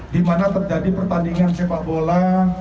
di mana terjadi pertandingan sepak bola